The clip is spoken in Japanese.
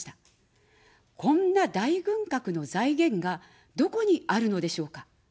こんな大軍拡の財源がどこにあるのでしょうか。